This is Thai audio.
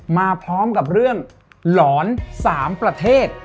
มาพร้อมกับเรื่องหลอน๓ประเทศ